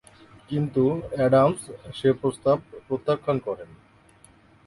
কিন্তু অ্যাডামস সে প্রস্তাব প্রত্যাখ্যান করেন।